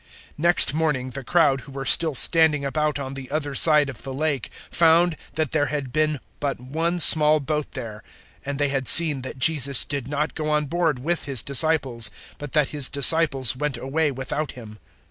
006:022 Next morning the crowd who were still standing about on the other side of the Lake found that there had been but one small boat there, and they had seen that Jesus did not go on board with His disciples, but that His disciples went away without Him.